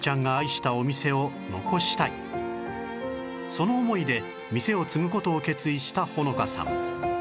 その思いで店を継ぐ事を決意した穂乃花さん